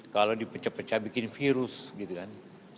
kalau dipecah pecah bikin virus gitu kan